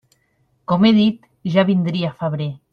Com he dit: ja vindria febrer.